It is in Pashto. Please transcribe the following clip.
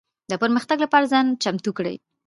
د پرمختګ لپاره ځان چمتو کړي.